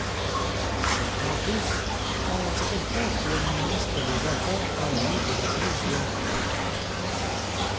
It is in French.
Chaque campus a un directeur qui administre les affaires en lieu de le président.